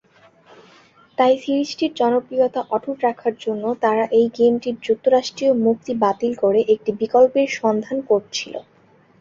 তাই সিরিজটির জনপ্রিয়তা অটুট রাখার জন্য তারা এই গেমটির যুক্তরাষ্ট্রীয় মুক্তি বাতিল করে একটি বিকল্পের সন্ধান করছিল।